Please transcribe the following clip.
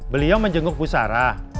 beliau menjenguk bu sarah